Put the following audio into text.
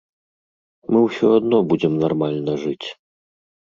Мы ўсё адно будзем нармальна жыць.